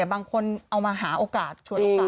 บางคนเอามาหาโอกาสชวนลูกค้า